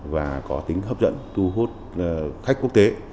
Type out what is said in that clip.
và có tính hấp dẫn thu hút khách quốc tế